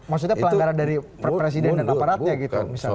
maksudnya pelanggaran dari presiden dan aparatnya gitu misalnya